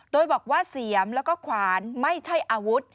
โดยบอกว่าเสียมแล้วก็ขวานไม่ใช่อาวุธ